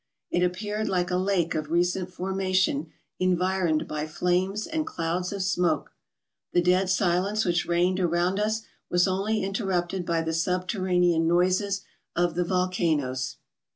It appeared like a lake of recent formation environed by flames and clouds of smoke. The dead silence which reigned around us was only interrupted by the subterranean noises of the volcanoes.